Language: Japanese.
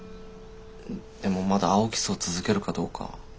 でもまだ青木荘続けるかどうか。